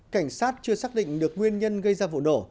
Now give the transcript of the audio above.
cảnh sát chưa xác định được nguyên nhân gây ra vụ nổ